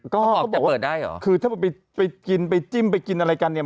ก็บอกว่าเปิดได้หรอคือถ้าบอกว่าไปกินไปจิ้มไปกินอะไรกันเนี่ย